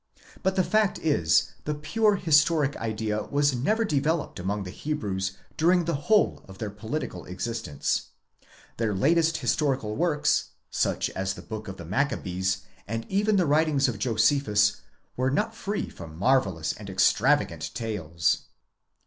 But the fact is, the pure historic idea was never developed among the Hebrews during the whole of their political existence ;. their Jatest historical works, such as the Books of the Maccabees, and even the writings of Josephus, are not free from marvellous and extravagant tales.